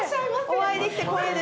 お会いできて光栄です。